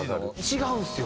違うんですよ。